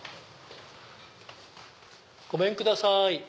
ごめんください。